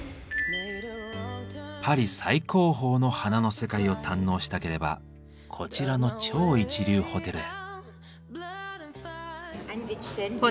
パリ最高峰の「花の世界」を堪能したければこちらの超一流ホテルへ。